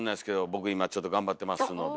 僕今ちょっと頑張ってますので。